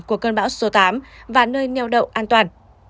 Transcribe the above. của cơn bão số tám và nơi neo đậu an toàn